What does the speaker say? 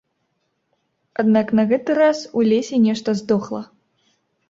Аднак на гэты раз у лесе нешта здохла.